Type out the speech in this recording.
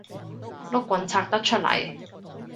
碌棍拆得出嚟